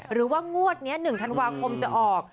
หรือว่างวดนี้๑ธันวาคมจะออก